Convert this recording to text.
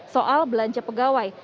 soal belanja pegawai